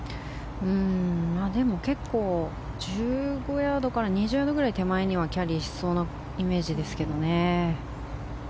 でも、結構１５ヤードから２０ヤードくらい手前にはキャリーしそうなイメージですけどね。